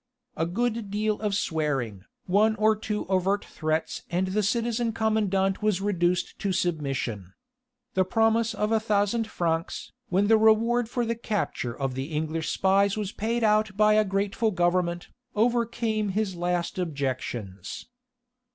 A good deal of swearing, one or two overt threats and the citizen commandant was reduced to submission. The promise of a thousand francs, when the reward for the capture of the English spies was paid out by a grateful Government, overcame his last objections.